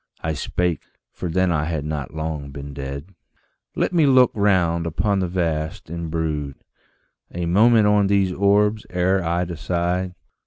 I spake for then I had not long been dead "Let me look round upon the vasts, and brood A moment on these orbs ere I decide